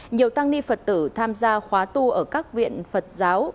nhiều tăng ni phật tử tham gia khóa tu ở các viện phật giáo